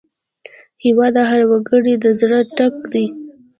هېواد د هر وګړي د زړه ټک دی.